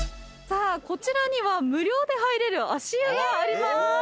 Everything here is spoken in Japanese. さあこちらには無料で入れる足湯があります。